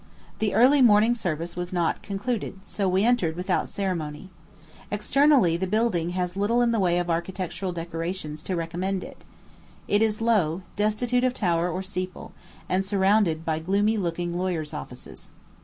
The early morning service was not concluded so we entered without ceremony. Externally, the building has little in the way of architectural decorations to recommend it. It is low, destitute of tower or steeple, and surrounded by gloomy looking lawyers' offices.